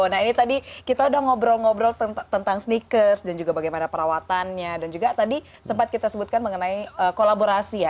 nah ini tadi kita udah ngobrol ngobrol tentang sneakers dan juga bagaimana perawatannya dan juga tadi sempat kita sebutkan mengenai kolaborasi ya